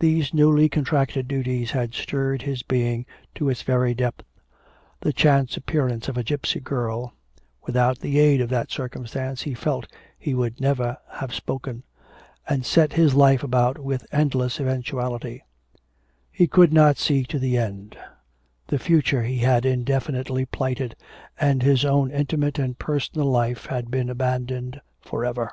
These newly contracted duties had stirred his being to its very depth; the chance appearance of a gipsy girl (without the aid of that circumstance he felt he would never have spoken) had set his life about with endless eventuality; he could not see to the end; the future he had indefinitely plighted, and his own intimate and personal life had been abandoned for ever.